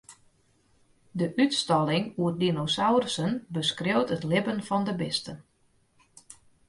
De útstalling oer dinosaurussen beskriuwt it libben fan de bisten.